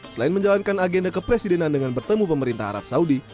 selain menjalankan agenda kepresidenan dengan bertemu pemerintah arab saudi